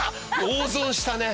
大損したね。